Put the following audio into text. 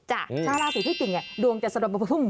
ชาราศีพิจิกนี่ดวงจะสะดวก